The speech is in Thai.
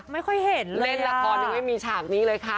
ไม่ค่อยเห็นเล่นละครยังไม่มีฉากนี้เลยค่ะ